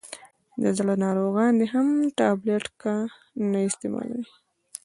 دزړه ناروغان دي هم ټابلیټ کا نه استعمالوي.